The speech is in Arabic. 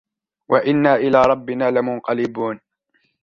وإنا إلى ربنا لمنقلبون